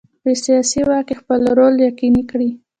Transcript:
په سیاسي واک کې خپل رول یقیني کړي.